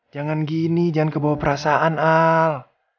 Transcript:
jangan gini jangan kebawa perasaan al